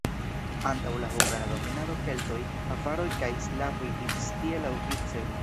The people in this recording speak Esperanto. Antaŭ la hungara dominado keltoj, avaroj kaj slavoj vivis tie laŭvice.